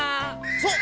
そう！